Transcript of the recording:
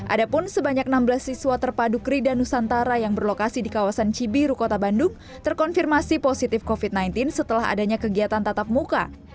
ada pun sebanyak enam belas siswa terpadu krida nusantara yang berlokasi di kawasan cibiru kota bandung terkonfirmasi positif covid sembilan belas setelah adanya kegiatan tatap muka